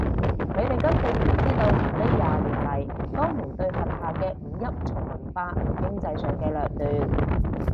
佢哋根本唔知道呢廿年嚟江門對轄下嘅五邑從文化到經濟上嘅掠奪